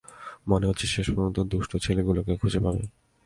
মনে হচ্ছে শেষপর্যন্ত দুষ্টু ছেলেগুলোকে খুঁজে পাবে।